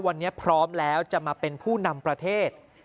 วันนี้พร้อมแล้วจะมาเป็นผู้นำประเทศ